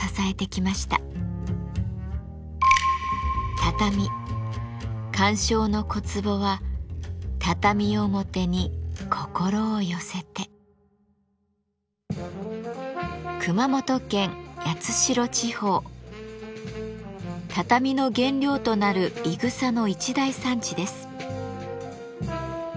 畳鑑賞の小壺は畳の原料となるいぐさの一大産地です。